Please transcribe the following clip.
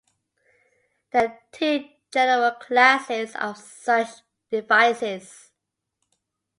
There are two general classes of such devices.